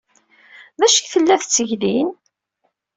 D acu ay tella tetteg din?